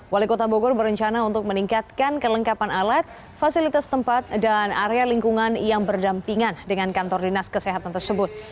wali kota bogor berencana untuk meningkatkan kelengkapan alat fasilitas tempat dan area lingkungan yang berdampingan dengan kantor dinas kesehatan tersebut